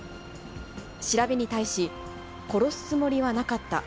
調べに対し、殺すつもりはなかった。